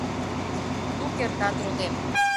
— Ну, кертат, родем!